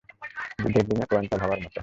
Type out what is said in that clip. ডেভলিনের পয়েন্টটাও ভাবার মত।